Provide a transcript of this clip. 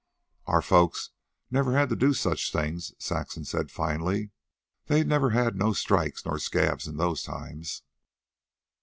"Our folks never had to do such things," Saxon said finally. "They never had strikes nor scabs in those times."